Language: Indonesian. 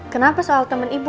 kenapa soal temen ibu